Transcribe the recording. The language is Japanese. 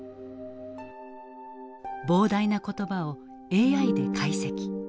膨大な言葉をＡＩで解析。